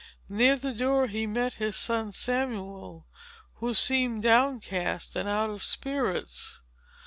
Near the door he met his son Samuel, who seemed downcast and out of spirits.